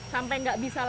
sampai enggak bisa lagi